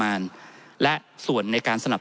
ท่านประธานครับนี่คือสิ่งที่สุดท้ายของท่านครับ